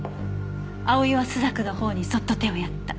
「葵は朱雀の頬にそっと手をやった」